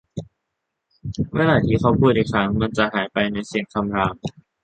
เมื่อไหร่ที่เขาพูดอีกครั้ง มันจะหายไปในเสียงคำราม